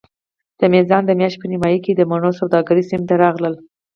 د میزان د میاشتې په نیمایي کې د مڼو سوداګر سیمې ته راغلل.